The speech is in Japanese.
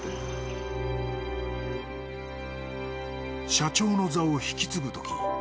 社長の座を引き継ぐとき